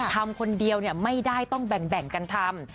ทำคนเดียวไม่ได้ต้องแบ่งกันทำ